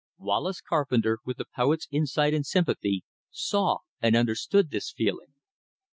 Wallace Carpenter, with the poet's insight and sympathy, saw and understood this feeling.